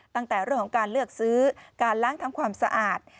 ตั้งแต่เรื่องของการเลือกซื้อการล้างทำความสะอาด